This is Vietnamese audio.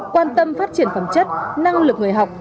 quan tâm phát triển phẩm chất năng lực người học